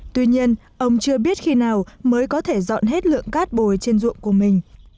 tuy nhiên ông chưa biết khi nào mới có thể dọn hết lượng cát bồi trên ruộng của mình